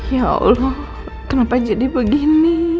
ya allah kenapa jadi begini